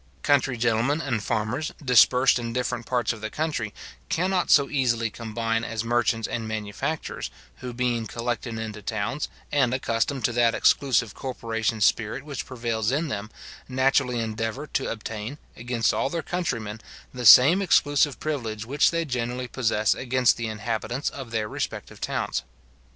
Country gentlemen and farmers, dispersed in different parts of the country, cannot so easily combine as merchants and manufacturers, who being collected into towns, and accustomed to that exclusive corporation spirit which prevails in them, naturally endeavour to obtain, against all their countrymen, the same exclusive privilege which they generally possess against the inhabitants of their respective towns.